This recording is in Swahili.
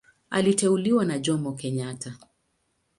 Aliteuliwa na Jomo Kenyatta.